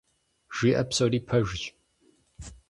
Жиӏэ псори пэжщ.